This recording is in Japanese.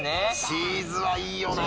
チーズはいいよな。